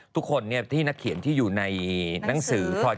ทุกคนที่นักเขียนที่อยู่ในหนังสือพลอย